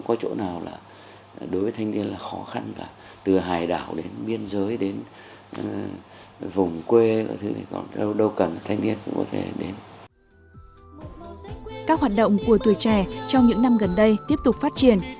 các hoạt động của tuổi trẻ trong những năm gần đây tiếp tục phát triển